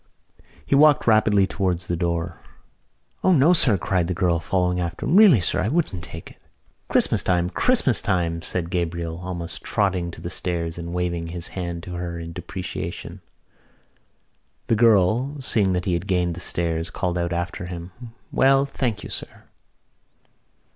He walked rapidly towards the door. "O no, sir!" cried the girl, following him. "Really, sir, I wouldn't take it." "Christmas time! Christmas time!" said Gabriel, almost trotting to the stairs and waving his hand to her in deprecation. The girl, seeing that he had gained the stairs, called out after him: "Well, thank you, sir."